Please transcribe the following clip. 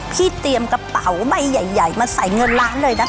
เตรียมกระเป๋าใบใหญ่มาใส่เงินล้านเลยนะคะ